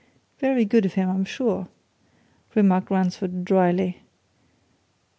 "Very good of him, I'm sure," remarked Ransford dryly.